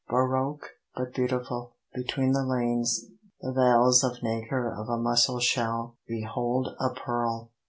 Baroque, but beautiful, between the lanes, The valves of nacre of a mussel shell, Behold, a pearl!